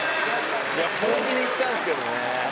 いや本気でいったんですけどね。